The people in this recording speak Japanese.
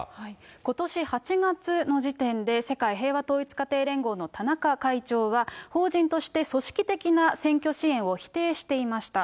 ことし８月の時点で、世界平和統一家庭連合の田中会長は、法人として組織的な選挙支援を否定していました。